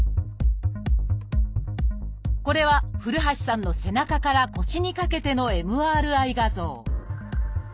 これは古橋さんの背中から腰にかけてのＭＲＩ画像。